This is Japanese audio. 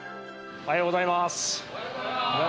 おはようございます。